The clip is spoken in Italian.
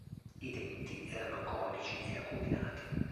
I denti erano conici e acuminati.